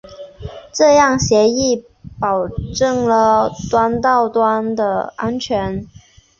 这样协议保证了端到端的安全。